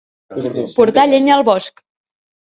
Portar llenya al bosc.